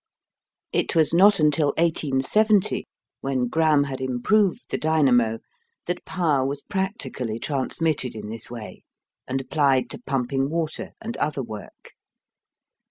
It was not until 1870, when Gramme had improved the dynamo, that power was practically transmitted in this way, and applied to pumping water, and other work.